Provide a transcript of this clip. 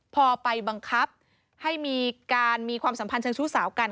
พอไปบังคับให้มีการมีความสัมพันธ์เชิงชู้สาวกัน